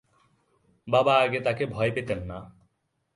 বাবা আগে তাকে ভয় পেতেন না।